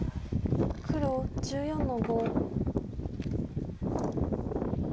黒１４の五。